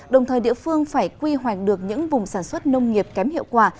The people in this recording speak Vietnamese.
đồng thời địa phương phải quy hoạch được những vùng sản xuất nông nghiệp kém hiệu quả